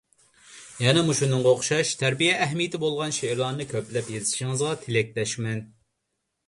يەنە مۇشۇنىڭغا ئوخشاش تەربىيە ئەھمىيىتى بولغان شېئىرلارنى كۆپلەپ يېزىشىڭىزغا تىلەكداشمەن.